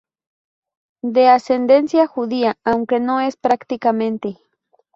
De ascendencia judía, aunque no es practicante.